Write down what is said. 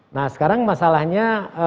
nah sekarang masalahnya